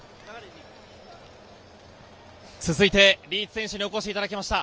続いてリーチ選手にお越しいただきました。